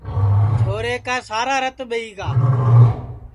چھورے کُا سارا رت ٻئہی گا